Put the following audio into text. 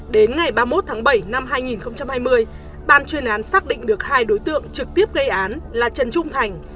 đến ngày ba mươi một tháng bảy năm hai nghìn hai mươi ban chuyên án xác định được hai đối tượng trực tiếp gây án là trần trung thành